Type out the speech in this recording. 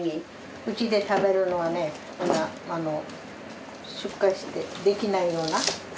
うちで食べるのはね出荷できないような。